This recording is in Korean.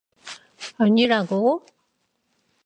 아니라고?